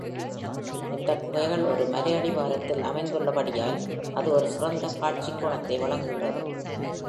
இந்தக் குகைகள் ஒரு மலையடிவாரத்தில் அமைந்துள்ள படியால் அது ஒரு சிறந்த காட்சிக்கோணத்தை வழங்குகிறது.